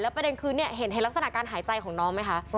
ประเด็นคือเห็นลักษณะการหายใจของน้องไหมคะ